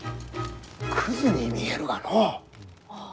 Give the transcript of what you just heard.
クズに見えるがのう。